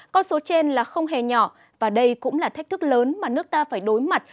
con số trên là không hề nhỏ và đây cũng là thách thức lớn mà nước ta phải đối mặt